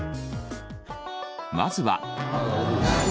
まずは。